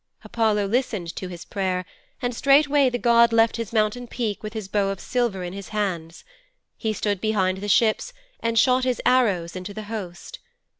Apollo listened to his prayer, and straightway the god left his mountain peak with his bow of silver in his hands. He stood behind the ships and shot his arrows into the host.